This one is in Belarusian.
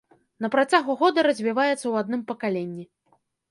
На працягу года развіваецца ў адным пакаленні.